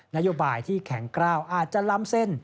นโยบายที่แข็งกล้าวอาจจะล้ำเส้น